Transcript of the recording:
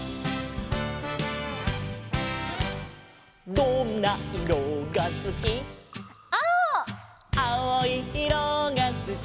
「どんないろがすき」「」